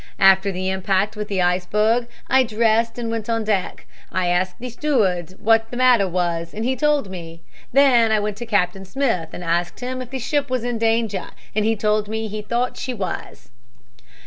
After the impact with the iceberg I dressed and went on deck. I asked the steward what the matter was and he told me. Then I went to Captain Smith and asked him if the ship was in danger and he told me he thought she was."